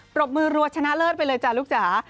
รบมือรัวชนะเลิศไปเลยจ้ะลูกจ๋า